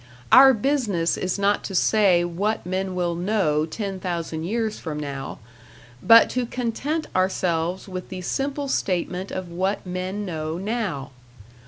Our business is not to say what men will know ten thousand years from now, but to content ourselves with the simple statement of what men know #now#.